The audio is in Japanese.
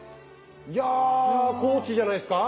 いや高知じゃないっすか？